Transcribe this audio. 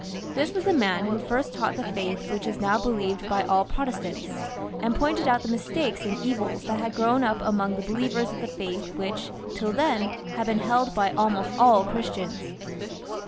This was the man who first taught the faith which is now believed by all Protestants ; and pointed out the mistakes and evils that had grown up among the believers of the faith which, till then, had been held by almost all Christians.